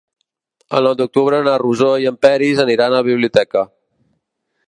El nou d'octubre na Rosó i en Peris aniran a la biblioteca.